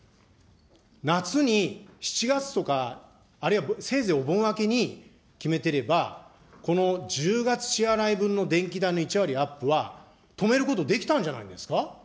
夏に７月とか、あるいはせいぜいお盆明けに決めてれば、この１０月支払い分の電気代の１割アップは止めること、できたんじゃないですか。